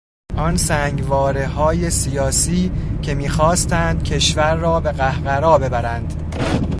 آن سنگوارههای سیاسی که میخواستند کشور را به قهقرا ببرند